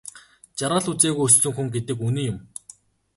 Жаргал үзээгүй өссөн хүн гэдэг үнэн юм.